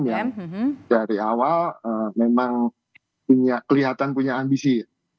yang dari awal memang kelihatan punya ambisi